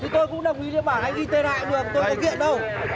tôi cũng đồng ý liên bản anh ghi tên hại được tôi không có kiện đâu